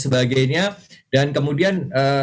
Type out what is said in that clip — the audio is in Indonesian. bagainya dan kemudian